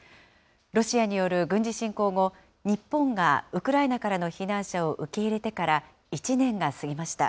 ロシアによる軍事侵攻後、日本がウクライナからの避難者を受け入れてから１年が過ぎました。